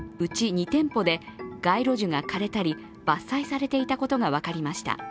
２店舗で街路樹が枯れたり、伐採されていたことが分かりました。